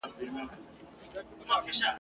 دا د کوم حیوان بچی درته ښکاریږي !.